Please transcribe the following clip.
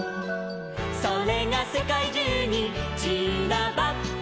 「それがせかいじゅうにちらばって」